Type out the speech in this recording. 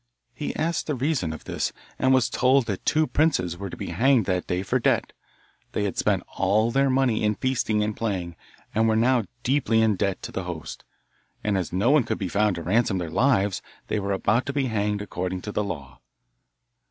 He asked the reason of this, and was told that two princes were to be hanged that day for debt; they had spent all their money in feasting and playing, and were now deeply in debt to the host, and as no one could be found to ransom their lives they were about to be hanged according to the law.